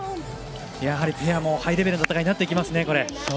やはり、ペアもハイレベルな戦いになってきますね。